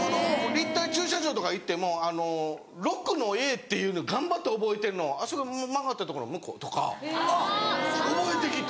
立体駐車場とか行っても６のＡっていうのを頑張って覚えてるのを「あそこ曲がったとこの向こう」とか覚えてきて。